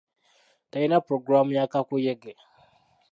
Talina pulogulaamu ya kakuyege.